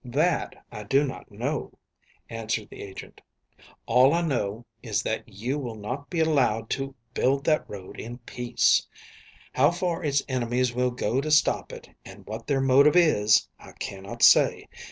"That I do not know," answered the agent. "All I know is that you will not be allowed to build that road in peace. How far its enemies will go to stop it, and what their motive is, I cannot say.